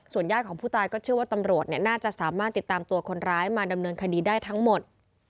ญาติของผู้ตายก็เชื่อว่าตำรวจน่าจะสามารถติดตามตัวคนร้ายมาดำเนินคดีได้ทั้งหมด